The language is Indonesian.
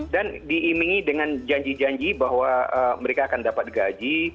dan diimingi dengan janji janji bahwa mereka akan dapat gaji